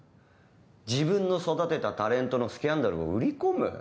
自分の育てたタレントのスキャンダルを売り込む？